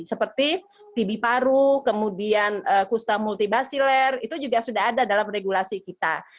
seperti tb paru kemudian kusta multibasiler itu juga sudah ada dalam regulasi kita